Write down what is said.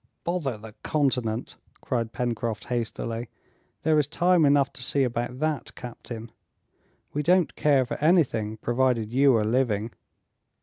"Bother the continent," cried Pencroft hastily; "there is time enough to see about that, captain! we don't care for anything, provided you are living."